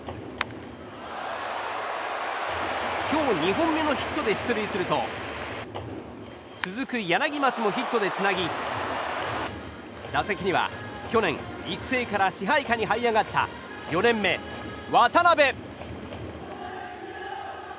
今日２本目のヒットで出塁すると続く柳町もヒットでつなぎ打席には去年、育成から支配下にはい上がった４年目、渡邉。